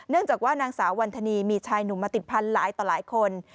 เนื่องจากว่านางสาววรรณฑณีมีชายหนุ่มมาติดพันหลายต่อหลายคน